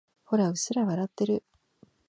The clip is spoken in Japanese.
ほら、うっすら笑ってる。